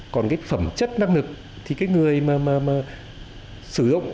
còn cái phẩm chất năng lực thì cái người mà sử dụng